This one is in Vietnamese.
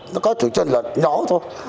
nó có sự tranh lệch nhỏ thôi